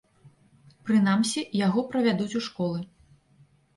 Прынамсі, яго правядуць у школы.